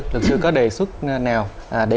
luật sư có đề xuất nào để